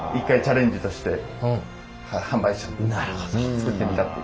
作ってみたっていう。